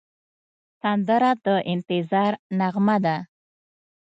سندره د انتظار نغمه ده